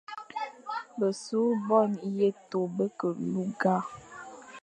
Besughʼé bone ieto be ke lugha.